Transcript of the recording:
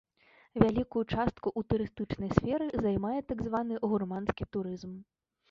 Вялікую частку ў турыстычнай сферы займае так званы гурманскі турызм.